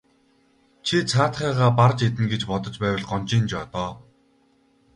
Чи цаадхыгаа барж иднэ гэж бодож байвал гонжийн жоо доо.